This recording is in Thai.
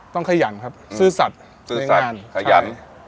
ต้องขยันครับซื่อสัตย์ในงาน